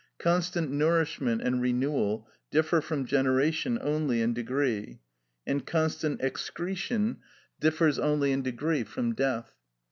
Constant nourishment and renewal differ from generation only in degree, and constant excretion differs only in degree from death.